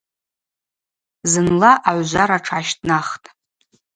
Зынла агӏвжвара тшгӏащтӏнахтӏ.